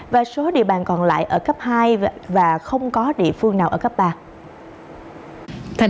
và số địa bàn còn lại ở cấp hai và không có địa phương nào ở cấp ba